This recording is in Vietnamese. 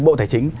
bộ tài chính